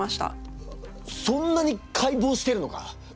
そんなに解剖してるのか？